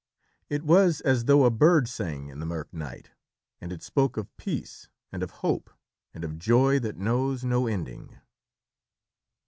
It was as though a bird sang in the mirk night, and it spoke of peace and of hope, and of joy that knows no ending.